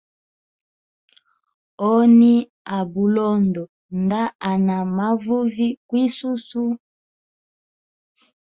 Honi a bulondo nda hana mavuvi kwisusu.